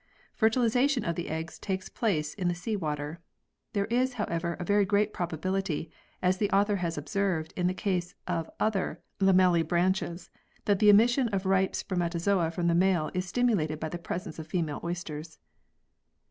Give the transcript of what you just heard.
Fertilisation of the eggs takes place in the sea water. There is however a very great probability, as the author has observed in the case of other lamelli branchs, that the emission of ripe spermatozoa from the male is stimulated by the presence of female oysters.